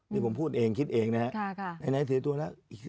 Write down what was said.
นี่ผมพูดเองคิดเองนะครับไหนเสียตัวแล้ว